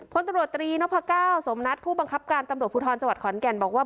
พลตำรวจตรีนพก้าวสมนัดผู้บังคับการตำรวจภูทรจังหวัดขอนแก่นบอกว่า